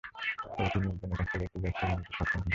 তবে তিনি একজনের কাছ থেকে একটি ব্যাগ ছিনিয়ে নিতে সক্ষম হন।